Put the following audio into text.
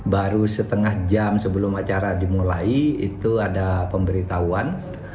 baru setengah jam sebelum acara dimulai itu ada pemberitahuan